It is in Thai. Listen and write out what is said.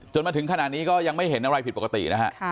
มาถึงขนาดนี้ก็ยังไม่เห็นอะไรผิดปกตินะฮะ